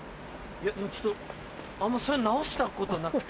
ちょっとあんまそういうの直したことなくて。